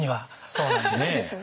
そうなんです。